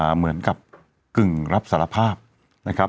เหมือนกับกึ่งรับสารภาพนะครับ